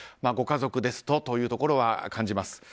ご家族ですとというところは感じます。